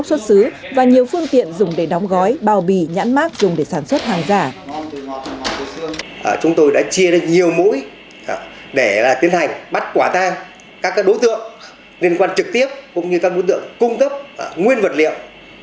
chúng tôi đã chia ra nhiều mũi để tiến hành bắt quả tang các đối tượng liên quan trực tiếp cũng như các đối tượng cung cấp nguyên vật liệu